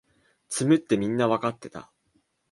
詰むってみんなわかってた